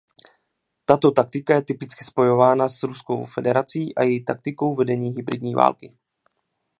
Tato taktika je typicky spojována s Ruskou federací a její taktikou vedení hybridní války.